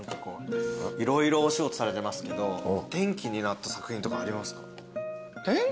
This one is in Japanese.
色々お仕事されてますけど転機になった作品とかありますか？